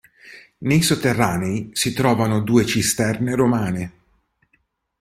Nei sotterranei si trovano due cisterne romane.